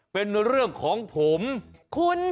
เป็นเรื่องของผมคุณ